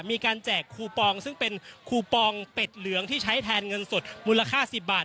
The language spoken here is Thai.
แจกคูปองซึ่งเป็นคูปองเป็ดเหลืองที่ใช้แทนเงินสดมูลค่า๑๐บาท